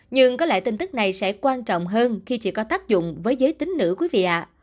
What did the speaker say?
nhưng có lẽ tin tức này sẽ quan trọng hơn khi chỉ có tác dụng với giới tính nữ quý vị